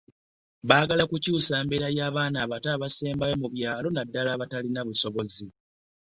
Baagala okukyusa embeera y'abaana abato abasembayo mu byalo nnaddala abatalina busobozi.